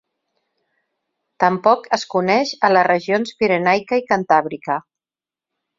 Tampoc es coneix a les regions Pirenaica i Cantàbrica.